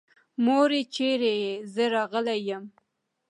مورې چېرې يې؟ زه راغلی يم.